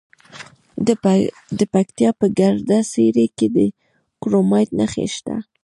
د پکتیا په ګرده څیړۍ کې د کرومایټ نښې شته.